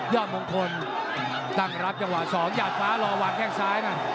ยาดมงคลตั้งรับเวลา๒หยาดฟ้ารอหวังแค่งซ้ายนะ